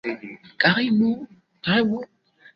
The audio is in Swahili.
achana na watu ya kenya hapo watajuana na ocampo